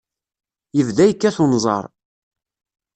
Yebda yekkat unẓar.